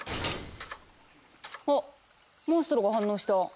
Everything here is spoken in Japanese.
あっモンストロが反応した。